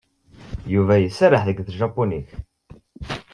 Yuba iserreḥ deg tjapunit.